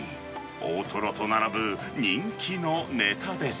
大トロと並ぶ人気のネタです。